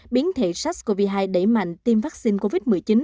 biến thể sars cov hai đẩy mạnh tiêm vaccine covid một mươi chín